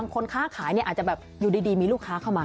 คนค้าขายอาจจะแบบอยู่ดีมีลูกค้าเข้ามา